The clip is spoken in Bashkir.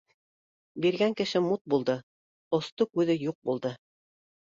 — Биргән кеше мут булды, осто күҙе юҡ булды